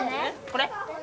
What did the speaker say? これ？